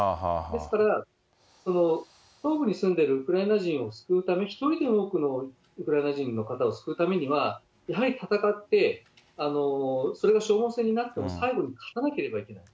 ですから、東部に住んでるウクライナ人を救うため、一人でも多くのウクライナ人の方を救うためには、やはり戦って、それが消耗戦になっても、最後に勝たなければいけない。